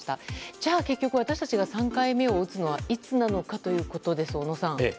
じゃあ、結局私たちが３回目を打つのはいつなのかということです小野さん。